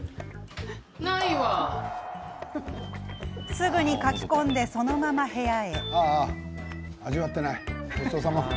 すぐにかき込んでそのまま部屋へ。